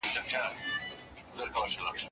ایا مرهټیان تر افغانانو قوي وو؟